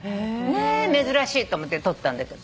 珍しいと思って撮ったんだけど。